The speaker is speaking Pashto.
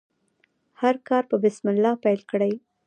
هر کار په بسم الله پیل کړئ.